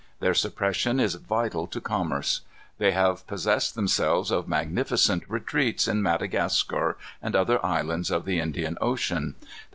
Their suppression is vital to commerce. They have possessed themselves of magnificent retreats, in Madagascar and other islands of the Indian Ocean.